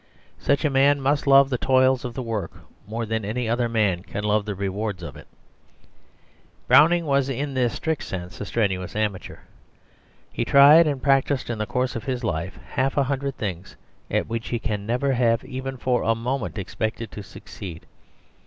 Such a man must love the toils of the work more than any other man can love the rewards of it. Browning was in this strict sense a strenuous amateur. He tried and practised in the course of his life half a hundred things at which he can never have even for a moment expected to succeed.